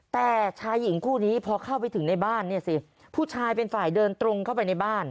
แต่ชายหญิงคู่นี้พอเข้าไปถึงในบ้านเนี่ยสิผู้ชายเป็นฝ่ายเดินตรงเข้าไปในบ้าน